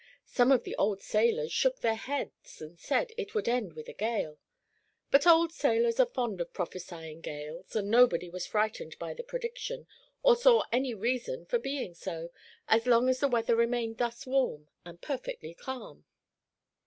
Some of the old sailors shook their heads and said it would end with a gale; but old sailors are fond of prophesying gales, and nobody was frightened by the prediction, or saw any reason for being so, as long as the weather remained thus warm and perfectly calm.